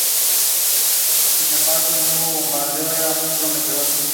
Compositores que están o han trabajado con Hans Zimmer en Remote Control Productions.